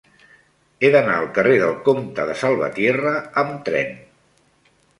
He d'anar al carrer del Comte de Salvatierra amb tren.